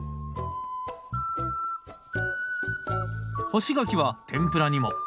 干し柿は天ぷらにも。